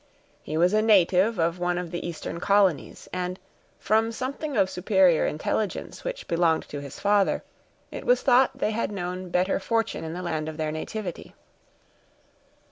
He was a native of one of the eastern colonies; and, from something of superior intelligence which belonged to his father, it was thought they had known better fortune in the land of their nativity.